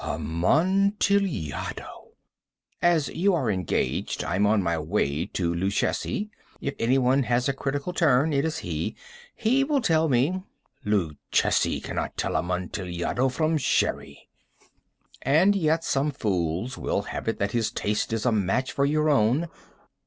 "Amontillado!" "As you are engaged, I am on my way to Luchesi. If any one has a critical turn, it is he. He will tell me—" "Luchesi cannot tell Amontillado from Sherry." "And yet some fools will have it that his taste is a match for your own."